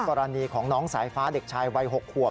กรณีของน้องสายฟ้าเด็กชายวัย๖ขวบ